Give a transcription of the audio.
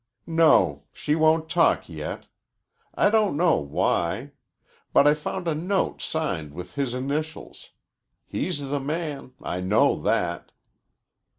"No, she won't talk yet. I don't know why. But I found a note signed with his initials. He's the man. I know that."